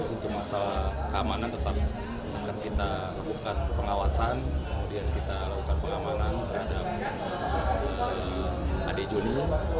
untuk masalah keamanan tetap akan kita lakukan pengawasan kemudian kita lakukan pengamanan terhadap adik joni